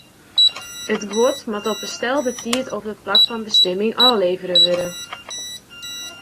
It guod moat op 'e stelde tiid op it plak fan bestimming ôflevere wurde.